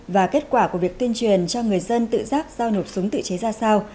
và kết quả của việc tuyên truyền cho người dân tự giác giao nộp súng tự chế ra sao